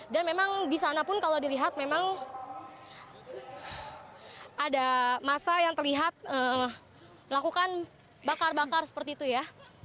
dan memang di sana pun kalau dilihat memang ada massa yang terlihat melakukan bakar bakar seperti itu ya